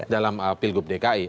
dalam pil gubernur dki